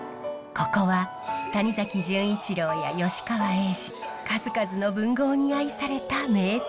ここは谷崎潤一郎や吉川英治数々の文豪に愛された名湯。